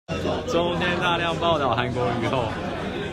中天大量報導韓國瑜後